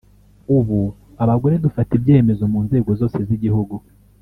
ubu abagore dufata ibyemezo mu nzego zose z’igihugu